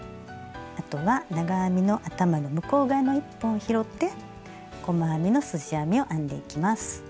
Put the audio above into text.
あとは長編みの頭の向こう側の１本を拾って細編みのすじ編みを編んでいきます。